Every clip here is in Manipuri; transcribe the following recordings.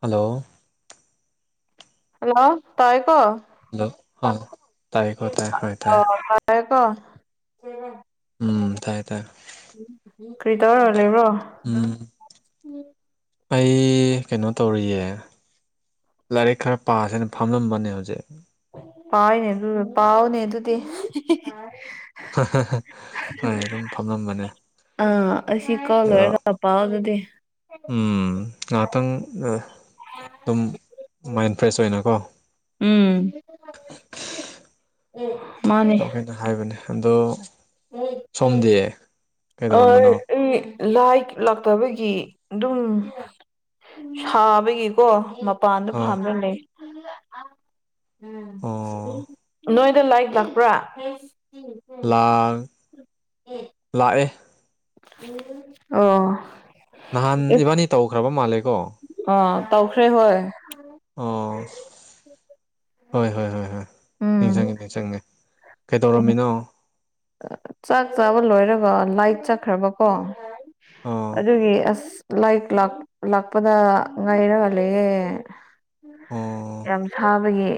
ꯍꯜꯂꯣ ꯍꯜꯂꯣ ꯇꯥꯏ ꯀꯣ ꯍꯜꯂꯣ ꯇꯥꯏꯦꯀꯣ ꯇꯥꯏ ꯍꯣꯏ ꯇꯥꯏ ꯍꯀꯣ ꯎꯝ ꯇꯥꯏ ꯇꯥꯏ ꯀꯔꯤ ꯇꯔꯔ ꯂꯩꯕ꯭ꯔꯣ ꯎꯝ ꯑꯩ ꯀꯩꯅꯣ ꯇꯧꯔꯤꯌꯦ ꯂꯥꯏꯔꯤꯛ ꯈꯔ ꯄꯥꯥꯁꯦꯅ ꯐꯝꯂꯝꯕꯅꯦ ꯍꯧꯖꯤꯛ ꯄꯥꯎꯅꯦ ꯑꯗꯨ ꯄꯥꯎꯅꯦ ꯑꯗꯨꯗꯤ ꯍꯣꯏ ꯑꯗꯨꯝ ꯐꯝꯂꯝꯝꯕꯅꯦ ꯑꯥ ꯑꯁꯤꯁꯤ ꯀꯂꯔ ꯄ ꯑꯣꯗꯗꯤ ꯎꯝ ꯉꯥꯏꯍꯥꯛꯇꯪ ꯑꯗꯨꯝ ꯃꯥꯏꯟ ꯐ꯭ꯔꯦꯁ ꯑꯣꯏꯅꯀꯣ ꯎꯝ ꯇꯧꯒꯦꯅ ꯍꯥꯏꯕꯅꯦ ꯑꯗꯣ ꯁꯣꯝꯗꯤ ꯑꯣ ꯀꯩꯗꯧꯔꯝꯕꯅꯣ ꯎꯝ ꯂꯥꯏ ꯂꯥꯛꯇꯕꯒꯤ ꯑꯗꯨꯝ ꯁꯥꯕꯒꯤꯀꯣ ꯄꯗ ꯑꯥ ꯐꯥꯅꯅꯦ ꯑꯣ ꯅꯣꯏꯗ ꯂꯥꯏꯛ ꯂꯥꯛꯄ꯭ꯔꯥ ꯂꯥꯡ ꯂꯥꯛꯑꯦ ꯑꯣ ꯅꯍꯥꯟ ꯏꯕꯥꯅꯤ ꯇꯧꯈ꯭ꯔꯕ ꯃꯥꯜꯂꯦꯀꯣ ꯑ ꯇꯧꯈ꯭ꯔꯦ ꯍꯣꯏ ꯑꯣ ꯍꯣꯏ ꯍꯣꯏ ꯍꯣꯏ ꯍꯣꯏ ꯎꯝ ꯅꯤꯡꯁꯤꯡꯉꯦ ꯅꯤꯡꯁꯤꯡꯪꯉꯦ ꯀꯩꯗꯧꯔꯝꯃꯤꯅꯣ ꯆꯥꯛ ꯆꯥꯕ ꯂꯣꯏꯔꯒ ꯂꯥꯏꯠ ꯆꯠꯈ꯭ꯔꯕꯀꯣ ꯑꯣ ꯑꯗꯨꯒꯤ ꯑꯁ ꯂꯥꯏꯛ ꯂꯥꯛ ꯂꯥꯛꯄꯗ ꯉꯥꯏꯔꯒꯂꯌꯦꯦ ꯑꯣ ꯌꯥꯝ ꯁꯥꯕꯒꯤ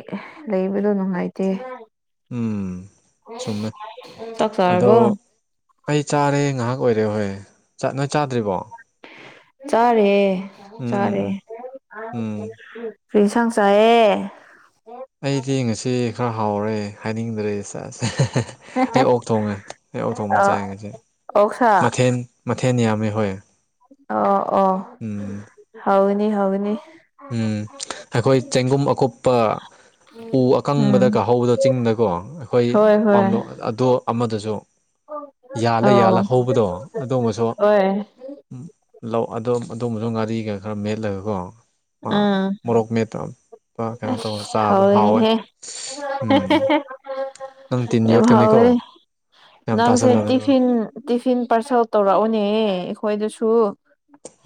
ꯂꯩꯕꯗꯣ ꯅꯨꯡꯉꯥꯏꯇꯦ ꯎꯝ ꯆꯨꯝꯃꯦ ꯁꯛꯁ ꯑꯔꯕꯨꯣ ꯑꯗꯣ ꯑꯩ ꯆꯥꯔꯦ ꯉꯥꯏꯍꯥꯛ ꯑꯣꯏꯔꯦ ꯍꯣꯏ ꯆ ꯅꯣꯏ ꯆꯥꯗ꯭ꯔꯤꯕꯣ ꯆꯥꯔꯦ ꯎꯝ ꯎꯝ ꯆꯥꯔꯦ ꯎꯝ ꯎꯝ ꯐꯤ ꯁꯪꯁ ꯑꯦꯦ ꯑꯩꯗꯤ ꯉꯁꯤ ꯈꯔ ꯍꯥꯎꯔꯦ ꯍꯥꯏꯅꯤꯡꯗ꯭ꯔꯦꯁꯦ ꯑꯩ ꯑꯣꯛ ꯊꯣꯡꯉꯦ ꯑꯩ ꯑꯣꯛ ꯑ ꯊꯣꯡꯕ ꯆꯥꯏ ꯉꯁꯦ ꯑꯣꯛꯁꯥ ꯃꯊꯦꯜ ꯃꯊꯦꯜ ꯌꯥꯝꯃꯦ ꯍꯣꯏ ꯑꯣ ꯎꯝ ꯑꯣ ꯍꯧꯅꯤ ꯍꯧꯅꯤ ꯎꯝ ꯑꯩꯈꯣꯏ ꯆꯦꯡꯒꯨꯝ ꯑꯀꯨꯞꯄ ꯎ ꯎꯝ ꯑꯀꯪꯕꯗ ꯀꯥꯍꯧꯕꯗꯣ ꯆꯤꯡꯗꯀꯣ ꯑꯩꯈꯣꯏ ꯍꯣꯏ ꯍꯣꯏ ꯄꯥꯝꯂꯣ ꯑꯗꯣ ꯑꯃꯗꯁꯨ ꯌꯥꯜꯂ ꯌꯥꯜꯂ ꯍꯧꯕꯗꯣ ꯑꯗꯨꯒꯃꯁꯨ ꯑꯣꯏꯣꯏ ꯑꯗꯨꯣꯝꯕꯁꯨ ꯉꯥꯔꯤꯒ ꯈꯔ ꯃꯦꯠꯂꯒꯀꯣ ꯃꯥ ꯃꯣꯔꯣꯛꯛ ꯃꯇ ꯑ ꯍꯅꯤ ꯍꯦ ꯎꯝ ꯅꯪ ꯇꯤꯟ ꯑꯦꯚꯥꯎ ꯌꯣꯠꯀꯅꯤꯀꯣ ꯌꯥꯝ ꯅꯪꯁ ꯇꯥꯁꯜꯂꯅꯨꯀꯣ ꯇꯤꯐꯤꯟ ꯇꯤꯐꯤꯟ ꯄꯥꯔꯁꯦꯜ ꯇꯧꯔꯛꯑꯣꯅꯦ ꯑꯩꯈꯣꯏꯗꯁꯨ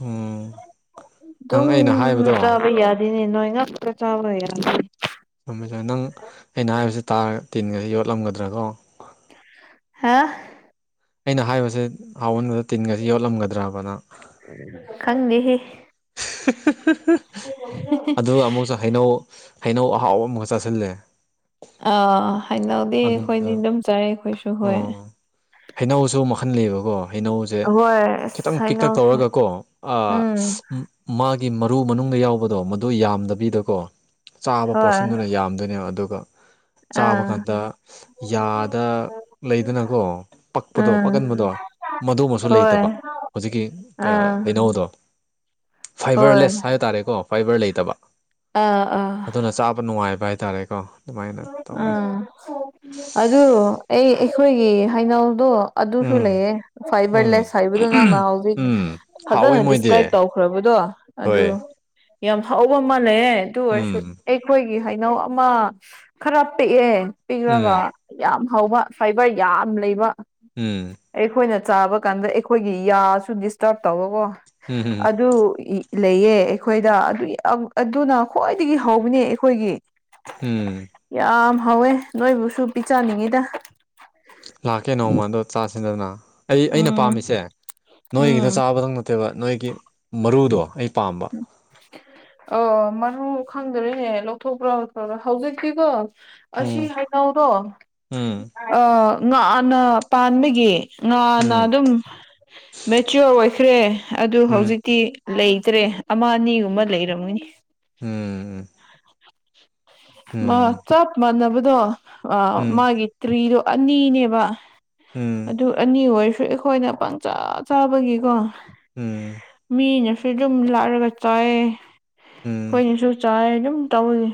ꯎꯝ ꯅꯪ ꯑꯩꯅ ꯍꯥꯏꯕꯗꯣ ꯌꯥꯗꯅꯤ ꯏꯣꯅ ꯆꯥꯕ ꯑꯣꯏꯦꯔ ꯊꯝꯃꯦꯖꯦ ꯅꯪ ꯑꯩꯅ ꯍꯥꯏꯕꯁꯤ ꯇꯥꯔꯒ ꯇꯤꯟꯒꯁꯤ ꯌꯣꯠꯂꯝꯒꯗ꯭ꯔ ꯀꯣ ꯍꯥ ꯑꯩꯅ ꯍꯥꯏꯕꯁꯦ ꯍꯥꯎꯟꯕꯗ ꯇꯤꯟꯒꯁꯤ ꯌꯣꯠꯂꯝꯒꯗ꯭ꯔꯕꯅ ꯈꯪꯒꯦꯍꯦ ꯑꯗꯨꯒ ꯑꯃꯨꯛꯁꯨ ꯍꯩꯅꯧ ꯍꯩꯅꯧ ꯑꯍꯥꯎꯕ ꯑꯃꯨꯛꯒ ꯆꯥꯁꯤꯜꯂꯦ ꯑꯥ ꯍꯥꯏꯅꯧꯗꯤ ꯑꯃꯨꯟꯕꯗꯣ ꯑꯩꯈꯣꯏꯗꯤ ꯑꯗꯨꯝ ꯆꯔꯦ ꯑꯩꯈꯣꯏꯁꯨ ꯍꯣꯏ ꯑꯣ ꯍꯩꯅꯧꯁꯨ ꯃꯈꯟ ꯂꯩꯌꯦꯕꯀꯣ ꯍꯩꯅꯧꯁꯦ ꯍꯣꯏ ꯈꯤꯇꯪ ꯑꯁ ꯄꯤꯛꯇꯛ ꯍꯩꯅꯧꯁꯦ ꯇꯧꯔꯒꯀꯣ ꯎꯝ ꯃꯥꯒꯤ ꯃꯔꯨ ꯃꯅꯨꯡꯗ ꯌꯥꯎꯕꯗꯣ ꯃꯗꯨ ꯌꯥꯝꯗꯕꯤꯗꯀꯣ ꯆꯥꯕ ꯍꯣꯏ ꯄꯣꯔꯁꯟꯗꯨꯅ ꯌꯥꯝꯗꯣꯏꯅꯦꯕ ꯑꯗꯨꯒ ꯆꯥꯕ ꯑꯥ ꯀꯥꯟꯗ ꯌꯥꯗ ꯂꯩꯗꯅꯀꯣ ꯄꯛꯄꯗꯣ ꯎꯝ ꯄꯛꯍꯟꯕꯗꯣ ꯃꯗꯨꯃꯁꯨ ꯍꯣꯏ ꯂꯩꯇꯕ ꯍꯧꯖꯤꯛꯀꯤ ꯑꯥ ꯀꯩꯅꯧꯗꯣ ꯍꯣꯏ ꯐꯥꯏꯕꯔꯂꯦꯁ ꯍꯥꯏ ꯇꯔꯦꯀꯣ ꯐꯥꯏꯕꯔ ꯂꯩꯇꯕ ꯑꯥ ꯑꯥ ꯑꯗꯨꯅ ꯆꯥꯕ ꯅꯨꯡꯉꯥꯏꯕ ꯍꯥꯏ ꯇꯔꯦꯣ ꯀꯥ ꯎꯥ ꯑꯗꯨ ꯑꯩ ꯑꯩꯈꯣꯏꯒꯤ ꯍꯩꯅꯧꯗꯣ ꯑꯗꯨꯁꯨ ꯎꯝ ꯂꯩꯌꯦ ꯎꯝ ꯐꯥꯏꯕꯔꯂꯦꯁ ꯍꯥꯏꯕꯗꯨ ꯅꯪꯅ ꯍꯧꯖꯤꯛ ꯎꯝ ꯍꯥꯎꯋꯦ ꯐꯖꯅ ꯃꯣꯏꯗꯤ ꯗꯤꯁꯀ꯭ꯔꯥꯏꯕ ꯇꯧꯈ꯭ꯔꯕꯗꯣ ꯑꯗꯨ ꯍꯣꯏ ꯌꯥꯝ ꯍꯥꯎꯕ ꯃꯥꯜꯂꯦ ꯑꯗꯨ ꯑꯣꯏꯔꯁꯨ ꯎꯝ ꯑꯩꯈꯣꯏꯒꯤ ꯍꯩꯅꯧ ꯑꯃ ꯈꯔ ꯄꯤꯛꯑꯦ ꯄꯤꯛ꯭ꯔꯒ ꯎꯝ ꯌꯥꯝ ꯍꯕ ꯐꯥꯏꯕꯔ ꯌꯥꯝ ꯂꯩꯕ ꯎꯝ ꯑꯩꯈꯣꯏꯅ ꯆꯥꯕ ꯀꯥꯟꯗ ꯑꯩꯈꯣꯏꯒꯤ ꯌꯥꯁꯨ ꯗꯤꯁꯇꯔꯕ ꯇꯧꯧꯕꯀꯣ ꯎꯝ ꯎꯝ ꯑꯗꯨ ꯂꯩꯌꯦ ꯑꯩꯈꯣꯏꯗ ꯑꯗꯨ ꯑꯗꯨꯅ ꯈ꯭ꯋꯥꯏꯗꯒꯤ ꯍꯧꯕꯅꯦ ꯑꯩꯈꯣꯏꯒꯤ ꯎꯝ ꯌꯥꯝ ꯍꯧꯥꯎꯋꯦ ꯅꯣꯏꯕꯨꯁꯨ ꯄꯤ ꯆꯅꯤꯡꯉꯤꯗ ꯂꯥꯛꯀꯦ ꯅꯣꯡꯃ ꯑꯗꯣ ꯆꯥꯁꯤꯟꯗꯗꯅ ꯑꯩ ꯑꯩꯅ ꯎꯝ ꯄꯥꯝꯃꯤꯁꯦ ꯎꯝ ꯅꯣꯏꯒꯤꯗ ꯆꯥꯕꯗꯪ ꯅꯠꯇꯕ ꯅꯣꯏꯒꯤ ꯃꯔꯨꯗꯣ ꯑꯩ ꯄꯥꯝꯕ ꯑꯣ ꯃꯔꯨ ꯈꯪꯗ꯭ꯔꯦꯍꯦ ꯂꯧꯊꯣꯛꯄ꯭ꯔꯣꯠꯇꯥ ꯍꯧꯖꯤꯛꯇꯤꯀꯣ ꯑꯁꯤ ꯎꯝ ꯍꯩꯅꯎꯗꯣ ꯎꯝ ꯉꯥꯅ ꯄꯥꯟꯕꯒꯤ ꯉꯥꯟꯅ ꯎꯝ ꯑꯗꯨꯝ ꯃꯦꯆꯌꯣꯔ ꯑꯣꯏꯈ꯭ꯔꯦ ꯑꯗꯨ ꯎꯝ ꯍꯧꯖꯤꯛꯇꯤ ꯂꯩꯇ꯭ꯔꯦ ꯑꯃ ꯑꯅꯤꯒꯨꯝꯕ ꯂꯩꯔꯝꯅꯤ ꯎꯝ ꯎꯝ ꯃꯥ ꯆꯞ ꯃꯥꯟꯅꯕꯗꯣ ꯑ ꯎꯝ ꯎꯝ ꯃꯥꯒꯤ ꯇ꯭ꯔꯤꯗꯣ ꯑꯅꯤꯅꯦꯕ ꯑꯗꯨ ꯑꯅꯤ ꯑꯣꯏꯔꯁꯨ ꯑꯩꯈꯣꯏꯅ ꯄꯪꯆꯥꯥ ꯆꯥꯕꯒꯤꯀꯣ ꯎꯝ ꯃꯤꯅꯁꯨ ꯑꯗꯨꯝ ꯂꯥꯔꯒ ꯆꯥꯏ ꯎꯝ ꯎꯝ ꯑꯩꯈꯣꯏꯅꯁꯨ ꯆꯥꯏ ꯑꯗꯨꯝ ꯇꯧꯏꯤ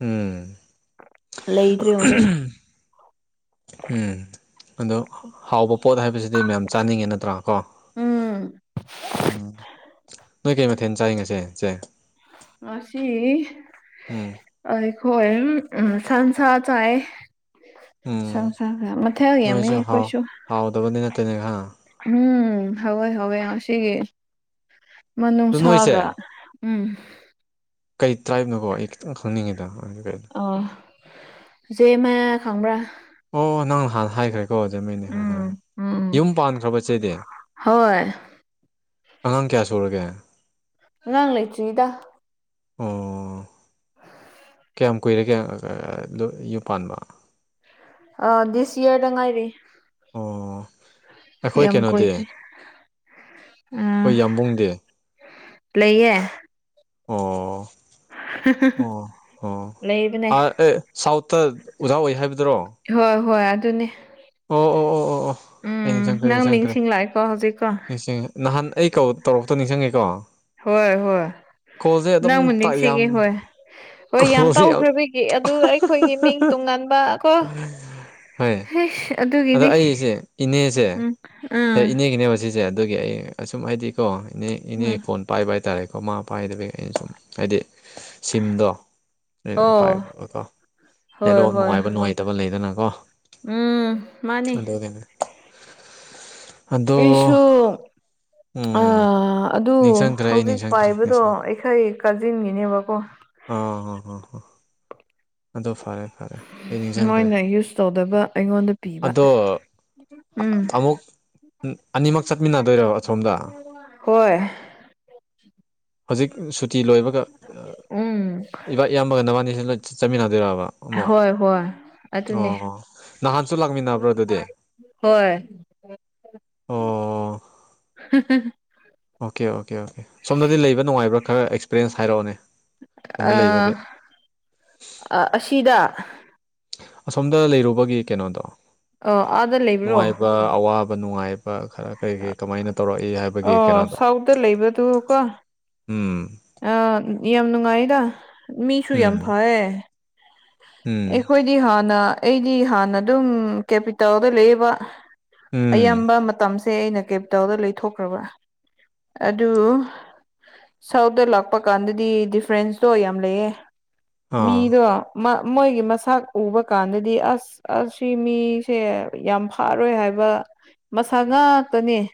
ꯎꯝ ꯂꯩꯗ꯭ꯔꯦ ꯍꯧꯖꯤꯛ ꯎꯝ ꯑꯗꯣ ꯍꯥꯎꯕ ꯄꯣꯠ ꯍꯥꯏꯕꯁꯤꯗꯤ ꯃꯌꯥꯝ ꯆꯥꯅꯤꯡꯉꯤ ꯅꯠꯇ꯭ꯔꯥ ꯀꯣ ꯎꯝ ꯎꯝ ꯅꯣꯏ ꯀꯩ ꯃꯊꯦꯜ ꯆꯥꯔꯤꯉꯁꯦ ꯁꯦ ꯑꯁꯤ ꯎꯝ ꯑꯩꯈꯣꯏ ꯎ ꯁꯟꯁꯥ ꯆꯥꯏ ꯁꯪ ꯎꯝ ꯁꯪꯁꯔꯦ ꯃꯊꯦꯜ ꯌꯦꯃꯤ ꯅꯣꯏꯁꯨ ꯍꯥꯎ ꯑꯩꯈꯣꯏꯁꯨ ꯍꯥꯎꯗꯕꯗꯤ ꯅꯠꯇꯦꯅꯦ ꯈ ꯎꯝ ꯍꯧꯋꯦ ꯍꯋꯦ ꯉꯁꯤꯒꯤ ꯑꯗꯣ ꯅꯣꯏꯁꯦ ꯃꯅꯨꯡꯅꯨꯡꯁꯥꯒ ꯎꯝ ꯀꯩ ꯇ꯭ꯔꯥꯏꯞꯅꯣꯀꯣ ꯑꯩ ꯈꯤꯇꯪ ꯈꯪꯅꯤꯡꯉꯤꯗ ꯀꯩꯅꯣ ꯖꯦ ꯃꯥꯏ ꯈꯪꯕ꯭ꯔꯥ ꯑꯣ ꯅꯪ ꯅꯍꯥꯟ ꯍꯥꯏꯈ꯭ꯔꯦ ꯍꯣꯖꯃꯅꯦ ꯍꯣꯏ ꯎꯝ ꯍꯣꯏꯣꯏ ꯎꯝ ꯌꯨꯝ ꯄꯥꯟꯈ꯭ꯔꯕ ꯆꯦꯗꯤ ꯍꯣꯏ ꯑꯉꯥꯡ ꯀꯌꯥ ꯁꯨꯔꯒꯦ ꯑꯉꯥꯡ ꯂꯩꯇ꯭ꯔꯤꯗ ꯑꯣ ꯀꯌꯥꯝ ꯀꯨꯏꯔꯦꯒꯌꯥꯝ ꯌꯨꯝ ꯄꯥꯟꯕ ꯑ ꯗꯤꯁ ꯏꯌꯔꯗ ꯉꯥꯏꯔꯤ ꯑꯣ ꯑꯩꯈꯣꯏ ꯌꯥꯝꯦꯝ ꯀꯣꯏ ꯀꯩꯅꯣꯗꯤ ꯎꯝ ꯑꯩꯈꯣꯏ ꯌꯥꯝꯕꯨꯡꯗꯤ ꯂꯩ꯭ꯂꯌꯦ ꯑꯣ ꯑꯣ ꯑꯣ ꯂꯩꯕꯅꯦ ꯑ ꯑꯦ ꯁꯥꯎꯠꯇ ꯑꯣꯖꯥ ꯑꯣꯏ ꯍꯥꯏꯕꯗꯨꯔꯣ ꯍꯣꯏ ꯍꯣꯏ ꯑꯗꯨꯅꯦ ꯑꯣ ꯑꯣ ꯑꯣ ꯑꯣ ꯑꯣ ꯑꯩ ꯎꯝ ꯅꯤꯡꯁꯤꯡꯈ꯭ꯔꯦ ꯅꯪ ꯅꯤꯡꯁꯤꯡꯪꯈ꯭ꯔꯦ ꯅꯤꯡꯁꯤꯡꯂꯛꯑꯦꯀꯣ ꯍꯧꯖꯤꯛꯀꯣ ꯅꯤꯡꯁꯤꯡꯉ ꯅꯍꯥꯟ ꯑꯩ ꯇꯧꯔꯛꯇꯣ ꯅꯤꯡꯁꯤꯡꯉꯦꯀꯣ ꯍꯣꯏ ꯍꯣꯏ ꯀꯣꯜꯁꯦ ꯑꯗꯨꯝ ꯅꯪꯕꯨ ꯌꯥꯝ ꯅꯤꯡꯁꯤꯒꯤ ꯍꯣꯏ ꯍꯣꯏ ꯌꯥꯝ ꯇꯧꯈ꯭ꯔꯕꯤꯒꯤ ꯑꯗꯨ ꯑꯩꯈꯣꯏꯒꯤ ꯃꯤꯡ ꯇꯨꯡꯉꯟꯕ ꯀꯣ ꯍ ꯑꯗ ꯑꯩꯁꯦ ꯏꯅꯦꯁꯦ ꯎꯝ ꯏꯅꯦꯒꯤꯅꯦꯕ ꯁꯤꯦ ꯁꯦ ꯑꯗꯨꯒꯤ ꯑꯩ ꯑꯁꯨꯝ ꯍꯥꯏꯗꯤꯀꯣ ꯏꯅꯦ ꯏꯅꯦ ꯎꯝ ꯐꯣꯟ ꯄꯥꯏꯕ ꯍꯥꯏꯇꯥꯔꯦꯀꯣ ꯃꯥ ꯄꯥꯏꯗꯕꯤꯒꯤ ꯑꯩꯅ ꯁꯨꯝ ꯍꯥꯏꯗꯤ ꯁꯤꯝꯗꯣ ꯑꯩꯅ ꯑꯣ ꯄꯥꯏꯈ꯭ꯔꯕꯀꯣ ꯍꯣꯏ ꯅꯦꯠꯋꯥꯛ ꯍꯣꯏ ꯅꯨꯡꯉꯥꯏꯕ ꯅꯨꯡꯉꯥꯏꯇꯕ ꯂꯩꯗꯅꯀꯣ ꯎꯝ ꯃꯥꯅꯤ ꯑꯗꯒꯅꯦ ꯄꯁꯨꯁꯨ ꯑ ꯎꯝ ꯑꯗꯨ ꯅꯤꯡꯁꯤꯡꯈ꯭ꯔꯦ ꯑꯩ ꯍꯧꯖꯤꯛ ꯅꯤꯡꯁꯤꯡꯈ꯭ꯔꯦ ꯄꯥꯏꯕꯗꯣ ꯅꯤꯡꯁꯤꯡꯈ꯭ꯔꯦ ꯑꯩꯈꯩ ꯀꯥꯖꯤꯟꯒꯤꯅꯦꯕꯀꯣ ꯑꯥ ꯍꯣꯏ ꯍꯣꯏ ꯍꯣꯏ ꯑꯗꯣ ꯐꯔꯦ ꯐꯔꯦ ꯑꯩ ꯅꯤꯡꯁꯤꯡꯈ꯭ꯔꯦ ꯃꯣꯏꯅ ꯌꯨꯁ ꯇꯧꯗꯕ ꯑꯩꯉꯣꯟꯗ ꯄꯤꯕ ꯑꯗꯣ ꯎꯝ ꯑꯃꯨꯛ ꯑꯅꯤꯃꯛ ꯆꯠꯃꯤꯟꯅꯗꯣꯏꯔꯣ ꯑꯁꯣꯝꯗ ꯍꯣꯏ ꯍꯧꯖꯤꯛ ꯁꯨꯇꯤ ꯂꯣꯏꯕꯒ ꯎꯝ ꯏꯕꯥ ꯑꯌꯥꯝꯕꯒ ꯅꯕꯥꯅꯤꯁꯤ ꯂꯣꯏ ꯆꯠꯃꯤꯟꯅꯗꯣꯏꯕ ꯑꯃꯨꯛ ꯍꯣꯏ ꯍꯣꯏ ꯑꯗꯨꯅꯦ ꯑꯣ ꯅꯍꯥꯟꯁꯨ ꯂꯥꯛꯃꯤꯟꯅ ꯍꯣꯏ ꯑꯣ ꯑꯣꯀꯦ ꯑꯣꯀꯦ ꯑꯣꯀꯦ ꯁꯣꯝꯗꯗꯤ ꯂꯩꯕ ꯅꯨꯡꯉꯥꯏꯕ꯭ꯔꯥ ꯈꯔ ꯑꯦꯛꯁꯄꯤꯔꯌꯦꯦꯟꯁ ꯍꯥꯏꯔꯛꯑꯣꯅꯦ ꯁꯣꯝꯗ ꯂꯩꯕꯒꯤ ꯑꯁꯤꯗ ꯑꯁꯣꯝꯗ ꯂꯩꯔꯨꯕꯒꯤ ꯀꯩꯅꯣꯗꯣ ꯑꯣ ꯑꯥꯗ ꯂꯩꯕ꯭ꯔꯣ ꯅꯨꯡꯉꯥꯏꯕ ꯑꯋꯥꯕ ꯅꯨꯡꯉꯥꯏꯕ ꯈꯔ ꯀꯩ ꯀꯩ ꯀꯃꯥꯏꯅ ꯇꯧꯔꯛꯏ ꯍꯥꯏꯕ ꯑꯣ ꯁꯥꯎꯗꯠꯇ ꯂꯩꯕꯗꯨ ꯀꯣ ꯎꯝ ꯑ ꯌꯥꯝ ꯅꯨꯡꯉꯥꯏꯗ ꯃꯤꯁꯨ ꯌꯥꯝ ꯎꯝ ꯐꯌꯦ ꯑꯩꯈꯣꯏꯗꯤ ꯍꯥꯟꯅ ꯑꯩꯗꯤ ꯍꯥꯟꯅ ꯑꯗꯨꯝ ꯀꯦꯄꯤꯇꯥꯜꯗ ꯂꯩꯕ ꯎꯝ ꯎꯝ ꯑꯌꯥꯝꯕ ꯃꯇꯝꯁꯦ ꯑꯩꯅ ꯀꯦꯞꯇꯜꯗ ꯂꯩꯊꯣꯛꯈ꯭ꯔꯕ ꯑꯗꯨ ꯁꯥꯎꯠꯇꯠꯇ ꯂꯥꯛꯄ ꯀꯥꯟꯗꯗꯤ ꯗꯤꯐ꯭ꯔꯦꯟꯁꯇꯣ ꯌꯥꯝ ꯂꯩꯌꯦ ꯑꯥ ꯃꯤꯗꯣ ꯃꯣꯏꯒꯤ ꯃꯁꯥꯛ ꯎꯕ ꯀꯥꯟꯗꯗꯤ ꯑꯁ ꯑꯁꯤ ꯃꯤꯁꯦ ꯌꯥꯝ ꯐꯥꯔꯣꯏ ꯍꯥꯏꯕ ꯃꯁꯥ ꯉꯥꯛꯇꯅꯦ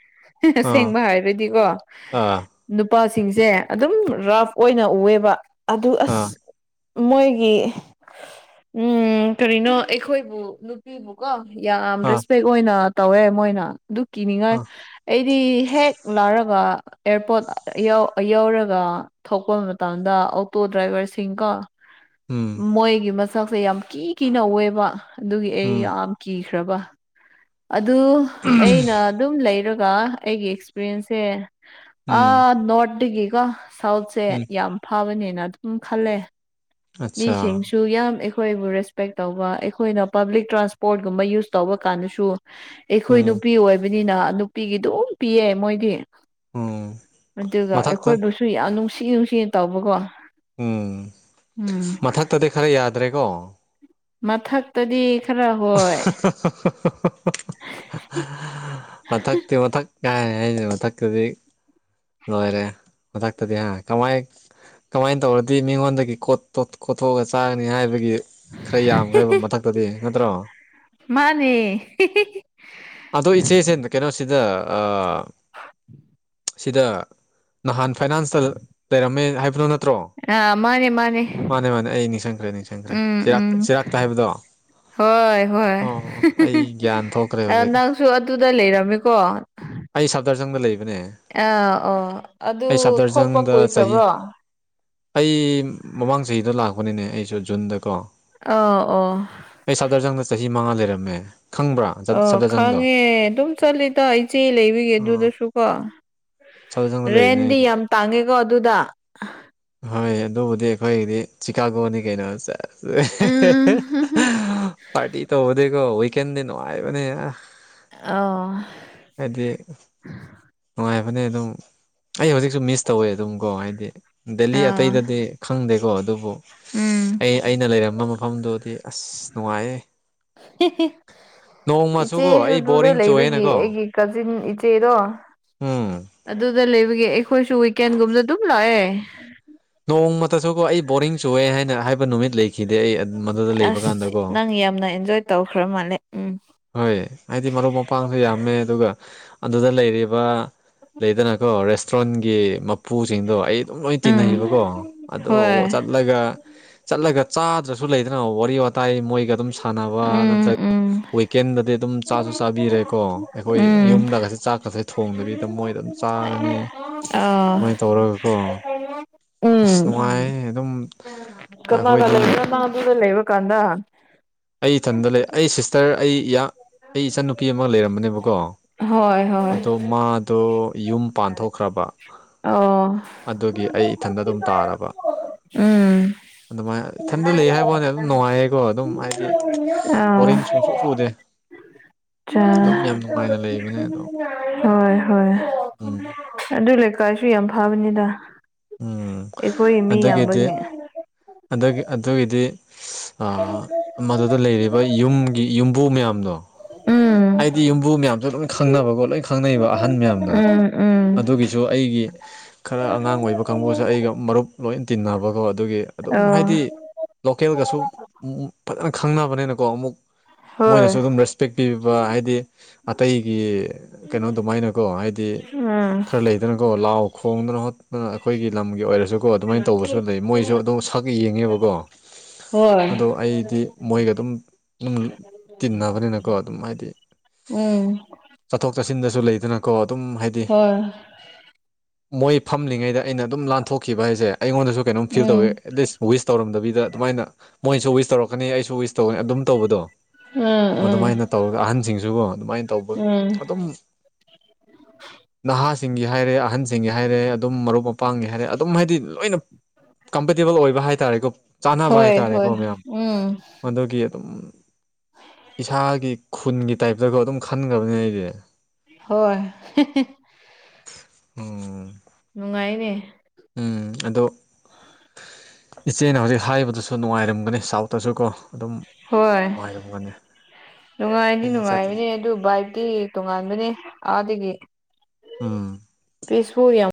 ꯑꯥ ꯁꯦꯡꯕ ꯍꯥꯏꯔꯗꯤꯀꯣ ꯑꯥ ꯅꯨꯄꯥꯁꯤꯡꯁꯦ ꯑꯗꯨꯝ ꯔꯐ ꯑꯣꯏꯅ ꯎꯑꯦꯕ ꯑꯗꯨ ꯑꯁ ꯃꯣꯏꯒꯤ ꯎꯝ ꯀꯔꯤꯅꯣ ꯑꯩꯈꯣꯏꯕꯨ ꯐꯕꯨꯀꯣ ꯌꯥꯝ ꯑꯥ ꯑꯥ ꯔꯦꯁꯄꯦꯛ ꯑꯣꯏꯅ ꯇꯧꯋꯦ ꯃꯣꯏꯅ ꯑꯗꯨ ꯀꯤꯅꯤꯡꯉꯥꯏ ꯑꯥ ꯑꯩ ꯍꯦꯛ ꯂꯥꯔꯒ ꯑꯦꯌꯥꯔꯄꯣꯠ ꯌꯧꯔꯒ ꯊꯣꯛꯄ ꯃꯇꯝꯗ ꯑꯣꯇꯣ ꯗ꯭ꯔꯥꯏꯚꯔꯁꯤꯡ ꯀꯣ ꯎꯝ ꯃꯣꯏꯒꯤ ꯃꯁꯛꯁꯦ ꯌꯥꯝ ꯀꯤ ꯀꯤꯅ ꯑꯣꯏꯑꯦꯕ ꯑꯗꯨꯒꯤ ꯑꯩ ꯎꯝ ꯌꯥꯝ ꯀꯤꯈ꯭ꯔꯕ ꯑꯗꯨ ꯑꯩꯅ ꯑꯗꯨꯝ ꯂꯩꯔꯒ ꯑꯩꯒꯤ ꯑꯦꯛꯁꯄꯤꯔꯤꯌꯦꯟꯁꯁꯦ ꯎꯝ ꯑꯥ ꯅꯣꯔꯠꯇꯒꯤꯀꯣ ꯁꯥꯎꯠꯁꯦ ꯎꯝ ꯌꯥꯝ ꯐꯕꯅꯦꯅ ꯑꯗꯨꯝ ꯈꯜꯂꯦ ꯑꯠꯆꯥ ꯁꯤꯡꯦ ꯁꯨ ꯌꯥꯝ ꯑꯩꯈꯣꯏꯕꯨ ꯔꯦꯁꯄꯦꯛ ꯇꯧꯕ ꯑꯩꯈꯣꯏꯅ ꯄꯥꯕ꯭ꯂꯤꯛ ꯇ꯭ꯔꯥꯟꯁꯄꯣꯔꯠꯀꯨꯝꯕ ꯌꯨꯁ ꯇꯧꯕ ꯀꯥꯟꯗꯁꯨ ꯑꯩꯈꯣꯏ ꯎꯝ ꯅꯨꯄꯤ ꯑꯣꯏꯕꯅꯤꯅ ꯅꯨꯄꯤꯒꯤ ꯑꯗꯨꯝ ꯄꯤꯌꯦ ꯃꯣꯏꯗꯤ ꯎꯝ ꯑꯗꯨꯒ ꯃꯊꯛꯇ ꯑꯩꯈꯣꯏꯕꯨꯁꯨ ꯌꯥꯝ ꯅꯨꯡꯁꯤ ꯅꯨꯡꯁꯤꯅ ꯇꯧꯕꯀꯣ ꯎꯝ ꯎꯝ ꯃꯊꯛꯇꯗꯤ ꯈꯔ ꯌꯥꯗ꯭ꯔꯦꯀꯣ ꯃꯊꯛꯇꯗꯤ ꯈꯔ ꯍꯣꯏ [unintelligible] ꯃꯊꯛꯇꯤ ꯃꯊꯛ ꯀꯥꯏ ꯍꯥꯏꯁ ꯃꯊꯛꯇꯗꯤ ꯂꯣꯏꯔꯦ ꯃꯊꯛꯇꯗꯤ ꯍꯥ ꯀꯃꯥꯏ ꯀꯃꯥꯏꯅ ꯇꯧꯔꯗꯤ ꯃꯤꯉꯣꯟꯗꯒꯤꯣ ꯀꯣꯊꯣꯛꯑꯒ ꯆꯥꯒꯅꯤ ꯍꯥꯏꯕꯒꯤ ꯈꯔ ꯌꯥꯝꯈ꯭ꯔꯦꯕ ꯃꯊꯛꯇꯗꯤ ꯅꯠꯇ꯭ꯔꯣ ꯃꯥꯅꯦ ꯑꯗꯣ ꯏꯆꯦꯁꯦ ꯀꯩꯅꯣꯁꯤꯗ ꯁꯤꯗ ꯅꯍꯥꯟ ꯐꯥꯏꯅꯥꯟꯁꯇ ꯂꯩꯔꯝꯃꯦ ꯍꯥꯏꯕꯅꯣ ꯅꯠꯇ꯭ꯔꯣ ꯑꯥ ꯃꯥꯅꯦ ꯃꯥꯅꯦ ꯃꯥꯅꯦ ꯑꯩ ꯅꯤꯡꯁꯤꯡꯈ꯭ꯔꯦ ꯅꯤꯡꯁꯤꯡꯈ꯭ꯔꯦꯥꯛ ꯎꯝ ꯆ ꯎꯝ ꯆꯩꯔꯥꯛꯇ ꯍꯥꯏꯕꯗꯣ ꯍꯣꯏ ꯍꯣꯏ ꯑꯣ ꯑꯩ ꯒ꯭ꯌꯥꯟ ꯊꯣꯛꯈ꯭ꯔꯦ ꯑ ꯍꯧꯖꯤꯛ ꯅꯪꯁꯨ ꯑꯗꯨꯗ ꯂꯩꯔꯝꯃꯤꯀꯣ ꯑꯩ ꯁꯞꯇꯔꯖꯪꯗ ꯂꯩꯕꯅꯦ ꯑꯥ ꯑꯣꯥ ꯑꯗꯨ ꯑꯩ ꯊꯣꯛꯄ ꯁꯞꯗꯔꯖꯪꯗ ꯆꯍꯤ ꯀꯨꯏꯈ꯭ꯔꯕ꯭ꯔꯣ ꯑꯩ ꯃꯃꯥꯡ ꯆꯍꯤꯗ ꯂꯥꯛꯄꯅꯤꯅꯦ ꯑꯩꯁꯨ ꯖꯨꯟꯗ ꯀꯣ ꯑ ꯑꯣ ꯑꯩ ꯁꯥꯗꯔꯖꯪꯗ ꯆꯍꯤ ꯃꯉꯥ ꯂꯩꯔꯝꯃꯦ ꯈꯪꯕ꯭ꯔꯥ ꯑꯣ ꯁꯞꯗꯔꯖꯪꯗꯣ ꯈꯪꯉꯦ ꯑꯗꯨꯝ ꯆꯠꯂꯤꯗ ꯏꯆꯦ ꯂꯩꯕꯤꯒꯦ ꯑꯥ ꯑꯗꯨꯗꯁꯨ ꯀꯣ ꯁꯕꯖꯪꯗ ꯂꯩꯕꯅꯦ ꯔꯦꯟꯗꯤ ꯑꯩꯗꯣ ꯌꯥꯝ ꯇꯥꯡꯉꯦꯀꯣ ꯑꯗꯨꯗ ꯍꯣꯏ ꯑꯗꯨꯕꯨꯗꯤ ꯑꯩꯈꯣꯏꯒꯤꯗꯤ ꯆꯤꯀꯥꯒꯣꯅꯤ ꯀꯩꯅꯣ ꯆꯠꯂ ꯄꯥꯔꯇꯤ ꯇꯧꯕꯗꯤꯀꯣ ꯋꯤꯀꯦꯟꯗꯤ ꯅꯨꯡꯉꯥꯏꯕꯅꯦ ꯑ ꯍꯥꯏꯗꯤ ꯅꯨꯡꯉꯥꯏꯕꯅꯦ ꯑꯗꯨꯝ ꯑꯩ ꯍꯧꯖꯤꯛꯁꯨ ꯃꯤꯁ ꯇꯧꯋꯦ ꯑꯗꯨꯝꯀꯣ ꯍꯥꯏꯗꯤ ꯗꯦꯜꯂꯤ ꯑꯇꯩꯗꯗꯤ ꯈꯪꯗꯦꯀꯣ ꯑꯗꯨꯕꯨ ꯎꯝ ꯑꯩ ꯑꯩꯅ ꯂꯩꯔꯝꯕ ꯃꯐꯝꯗꯨꯗꯤ ꯑꯁ ꯅꯨꯡꯉꯥꯏꯌꯦ ꯅꯣꯡꯃꯁꯨꯀꯣ ꯑꯩ ꯏꯆꯦꯁꯨꯗꯨꯗ ꯕꯣꯔꯤꯡ ꯂꯩꯕꯒꯤ ꯆꯨꯑꯦꯅꯀꯣ ꯑꯩꯒꯤ ꯀꯥꯖꯤꯤꯟ ꯏꯆꯦꯗꯣ ꯎꯝ ꯑꯗꯨꯗ ꯂꯩꯕꯒꯤ ꯑꯩꯣꯏꯁꯨ ꯋꯀꯦꯟꯒꯨꯝꯂ ꯇꯝ ꯂꯑꯌꯦ ꯅꯣꯡꯃꯇꯁꯨꯀꯣ ꯑꯩ ꯕꯣꯔꯤꯡ ꯆꯨꯑꯦ ꯍꯥꯏꯅ ꯍꯥꯏꯕ ꯅꯨꯃꯤꯠ ꯂꯩꯈꯤꯗꯦ ꯑꯩ ꯃꯗꯨꯗ ꯂꯩꯕ ꯑꯁ ꯀꯥꯟꯗꯀꯣ ꯅꯪ ꯌꯥꯝꯅ ꯑꯦꯟꯖꯣꯏ ꯇꯧꯈ꯭ꯔ ꯃꯥꯂꯦ ꯎꯝ ꯍꯣꯏ ꯍꯥꯏꯗꯤ ꯃꯔꯨꯞ ꯃꯄꯥꯡꯁꯨ ꯌꯥꯝꯃꯦ ꯑꯗꯨꯒ ꯑꯗꯨꯗ ꯂꯩꯔꯤꯕ ꯂꯩꯗꯅꯀꯣ ꯔꯦꯁꯇ꯭ꯔꯦꯟꯒꯤ ꯃꯄꯨꯁꯤꯡꯗꯣ ꯑꯩ ꯑꯗꯨꯝ ꯂꯣꯏ ꯎꯝ ꯇꯤꯟꯅꯩꯕꯀꯣ ꯑꯗꯨꯒꯠ ꯍꯣꯏ ꯆꯠꯂꯒ ꯆꯠꯂꯒ ꯆꯥꯗ꯭ꯔꯁꯨ ꯂꯩꯗꯅ ꯋꯥꯔꯤ ꯋꯥꯇꯥꯏ ꯃꯣꯏꯒ ꯑꯗꯨꯝ ꯁꯥꯟꯅꯕ ꯎꯝ ꯅꯠꯇ꯭ꯔꯒ ꯎꯝ ꯋꯤꯀꯦꯟꯗꯗꯤ ꯑꯗꯨꯝ ꯆꯥꯁꯨ ꯆꯥꯕꯤꯔꯦꯀꯣ ꯑꯩꯈꯣꯏ ꯎꯝ ꯌꯨꯝꯗꯒꯁꯨ ꯆꯥꯛꯀꯁꯨꯦ ꯊꯣꯡꯗꯕꯤꯗ ꯃꯣꯏꯗ ꯑꯗꯨꯝ ꯆꯥꯔꯅꯤ ꯑꯥ ꯑꯗꯨꯃꯥꯏꯅ ꯇꯧꯔꯒꯀꯣ ꯑꯁ ꯎꯝ ꯅꯨꯡꯉꯥꯏ ꯑꯗꯨꯝ ꯀꯅꯥꯒ ꯑꯩꯈꯣꯏꯗꯤ ꯇꯗ ꯂꯩꯕ ꯀꯥꯟꯗꯥ ꯍꯥ ꯑꯩ ꯏꯊꯟꯗ ꯂꯩ ꯑꯩ ꯁꯤꯁꯇꯔ ꯑꯩ ꯑꯩ ꯏꯆꯟꯅꯨꯄꯤ ꯑꯃ ꯂꯩꯔꯝꯕꯅꯦꯕꯀꯣ ꯍꯣꯏ ꯍꯣꯏ ꯑꯗꯣ ꯃꯥꯗꯣ ꯌꯨꯝ ꯄꯥꯟꯊꯣꯛꯈ꯭ꯔꯕ ꯑꯣ ꯑꯗꯨꯒꯤ ꯑꯩ ꯏꯊꯟꯗ ꯑꯗꯨꯝ ꯇꯥꯔꯕ ꯎꯝ ꯑꯗꯨꯃꯥꯏꯅ ꯏꯊꯟꯗ ꯂꯩ ꯍꯥꯏꯕ ꯋꯥꯅꯤ ꯑꯗꯨꯝ ꯅꯨꯡꯉꯥꯏꯌꯦꯀꯣ ꯑꯗꯨꯝ ꯍꯥꯏ ꯗꯤ ꯑꯥꯎ ꯣꯔꯡ ꯁꯨꯝ ꯁ ꯆꯨꯗꯦ ꯆꯥ ꯑꯗꯨꯝ ꯌꯥꯝ ꯅꯨꯡꯉꯥꯏꯅ ꯂꯩꯕꯅꯦ ꯑꯗꯣ ꯍꯣꯏ ꯍꯣꯏ ꯎꯝ ꯑꯗꯨ ꯂꯩꯀꯥꯏꯁꯨ ꯌꯥꯝ ꯐꯕꯅꯤꯗ ꯎꯝ ꯑꯩꯈꯣꯏꯒꯤ ꯃꯤ ꯑꯗꯨꯗꯒꯤꯗꯤ ꯌꯥꯝꯕꯒꯤ ꯑꯗꯨ ꯑꯗꯨꯒꯤꯗꯤ ꯃꯗꯨꯗ ꯂꯩꯔꯤꯕ ꯌꯨꯝꯒꯤ ꯌꯨꯝꯕꯨ ꯃꯌꯥꯝꯗꯣ ꯎꯝ ꯑꯩꯗꯤ ꯌꯨꯝꯕꯨ ꯃꯌꯥꯝꯁꯨ ꯂꯣꯏ ꯈꯪꯅꯕꯀꯣ ꯂꯣꯏ ꯈꯪꯅꯩꯕ ꯑꯍꯟ ꯃꯌꯥꯝꯗꯣ ꯎꯝ ꯎꯝ ꯑꯗꯨꯒꯤꯁꯨ ꯑꯩꯒꯤ ꯈꯔ ꯑꯉꯥꯡ ꯑꯣꯏꯕ ꯀꯥꯡꯕꯨꯁꯨ ꯑꯩꯒ ꯃꯔꯨꯞ ꯂꯣꯏ ꯇꯤꯟꯅꯕꯀꯣ ꯑꯗꯨꯒꯤ ꯑꯗꯨꯝ ꯑꯧ ꯍꯥꯏꯗꯤ ꯂꯣꯀꯦꯜꯒꯁꯨ ꯐꯖꯅ ꯈꯪꯅꯕꯅꯤꯅꯀꯣ ꯑꯃꯨꯛ ꯍꯣꯏ ꯃꯣꯏꯅꯁꯨ ꯑꯗꯨꯝ ꯔꯦꯁꯄꯦꯛ ꯄꯤ ꯍꯥꯏꯗꯤ ꯑꯇꯩꯒꯤ ꯀꯩꯅꯣ ꯑꯗꯨꯃꯥꯏꯅ ꯀꯣ ꯍꯥꯏꯗꯤ ꯎꯝ ꯈꯔ ꯂꯩ ꯂꯩꯗꯅꯀꯣ ꯂꯥꯎ ꯈꯣꯡꯗꯅ ꯍꯣꯠꯇꯅ ꯑꯩꯈꯣꯏꯒꯤ ꯂꯝꯒꯤ ꯑꯣꯏꯔꯁꯨ ꯀꯣ ꯑꯗꯨꯃꯥꯏꯅ ꯇꯧꯕꯁꯨ ꯂꯩ ꯃꯣꯏꯁꯨ ꯑꯗꯨꯝ ꯁꯛ ꯌꯦꯡꯉꯦꯕꯀꯣ ꯍꯣꯏ ꯑꯗꯣ ꯑꯩꯗꯤ ꯃꯣꯏꯒ ꯑꯗꯨꯝ ꯑꯗꯨꯝ ꯇꯤꯟꯅꯕꯅꯤꯅꯀꯣ ꯑꯗꯨꯝ ꯍꯥꯏꯗꯤ ꯎꯝ ꯆꯠꯊꯣꯛ ꯆꯠꯁꯤꯟꯗꯁꯨ ꯂꯩꯗꯅꯀꯣ ꯑꯗꯨꯝ ꯍꯥꯏꯗꯤ ꯍꯣꯏ ꯃꯣꯏ ꯐꯝꯂꯤꯉꯩꯗ ꯑꯩꯅ ꯑꯗꯨꯝ ꯂꯥꯟꯊꯣꯛꯈꯤꯕ ꯍꯥꯏꯁꯦ ꯑꯩꯉꯣꯟꯗꯁꯨ ꯀꯩꯅꯣꯝ ꯐꯤꯜ ꯇꯧꯋꯤ ꯎꯝ ꯑꯦꯠꯂꯤꯁ ꯋꯤꯁ ꯇꯧꯔꯝꯗꯕꯤꯗ ꯑꯗꯨꯃꯥꯏꯅ ꯃꯣꯏꯁꯨ ꯋꯤꯁ ꯇꯧꯔꯛꯀꯅꯤ ꯑꯩꯁꯨ ꯋꯤꯁ ꯇꯧꯒꯅꯤ ꯑꯗꯨꯝ ꯇꯧꯕꯗꯣ ꯎꯝ ꯎꯝ ꯃꯗꯨꯃꯥꯏꯅ ꯇꯧꯔꯒ ꯑꯍꯟꯁꯤꯡꯁꯤꯒꯣ ꯑꯗꯨꯃꯥꯏꯅ ꯇꯧꯕ ꯎꯝ ꯑꯗꯨꯝ ꯅꯍꯥꯁꯤꯡꯒꯤ ꯍꯥꯏꯔꯦ ꯑꯍꯟꯁꯤꯡꯒꯤ ꯍꯥꯏꯔꯦ ꯑꯗꯨꯝ ꯃꯔꯨꯞ ꯃꯄꯥꯡꯒꯤ ꯍꯥꯏꯔꯦ ꯑꯗꯨꯝ ꯍꯥꯏꯗꯤ ꯂꯣꯏꯅ ꯀꯝꯐꯔꯇꯦꯕꯜ ꯑꯣꯏꯕ ꯍꯥꯏꯇꯥꯔꯦꯀꯣ ꯆꯥꯅꯕ ꯍꯣꯏ ꯍꯣꯏ ꯍꯥꯏꯇꯥꯔꯦꯀꯣ ꯃꯌꯥꯝ ꯎꯝ ꯃꯗꯨꯒꯤ ꯑꯗꯨꯝ ꯏꯁꯥꯒꯤ ꯈꯨꯟꯒꯤ ꯇꯥꯏꯞꯇꯒ ꯑꯗꯨꯝ ꯈꯟꯈ꯭ꯔꯕꯅꯤ ꯑꯩꯁꯦ ꯍꯣꯏ ꯎꯝ ꯅꯨꯡꯉꯥꯏꯅꯦ ꯎꯝ ꯑꯗꯣ ꯏꯆꯦꯅ ꯍꯧꯖꯤꯛ ꯍꯥꯏꯕꯗꯨꯁꯨ ꯅꯨꯡꯉꯥꯏꯔꯝꯒꯅꯤ ꯁꯥꯎꯠꯇꯁꯨ ꯀꯣ ꯋꯥꯔꯝꯒꯅꯦ ꯅꯨꯡꯉꯥꯏꯅꯤ ꯅꯨꯡꯉꯥꯏꯕꯅꯦ ꯑꯗꯨ ꯕꯥꯏꯛꯇꯤ ꯇꯣꯉꯥꯟꯕꯅꯦ ꯑꯥꯗꯒꯤ ꯎꯝ ꯄ ꯁꯨꯨꯔꯝ